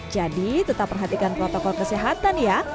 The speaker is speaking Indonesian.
jadi tetap perhatikan protokol kesehatan ya